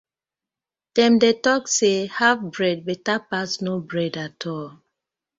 Dem dey tok say haf bread betta pass no bread atol.